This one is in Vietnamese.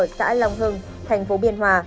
xã lòng hưng tp biên hòa